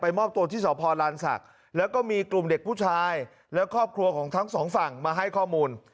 มอบตัวที่สพลานศักดิ์แล้วก็มีกลุ่มเด็กผู้ชายและครอบครัวของทั้งสองฝั่งมาให้ข้อมูล